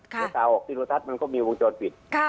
ค่ะแล้วตาออกที่โลทัศน์มันก็มีวงจรผิดค่ะ